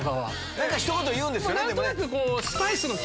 何かひと言言うんですよね。